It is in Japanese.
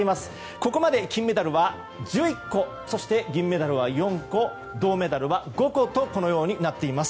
ここまで金メダルは１１個銀メダルは４個銅メダルは５個となっています。